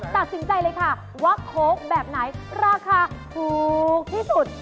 ตัดสินใจเลยค่ะว่าโค้กแบบไหนราคาถูกที่สุด